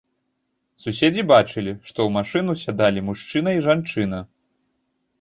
Суседзі бачылі, што ў машыну сядалі мужчына і жанчына.